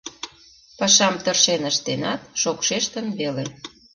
Пашам тыршен ыштенат, шокшештын веле.